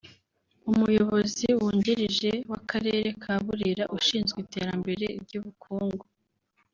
Umuyobozi Wungirije w’Akarere ka Burera ushinzwe Iterambere ry’Ubukungu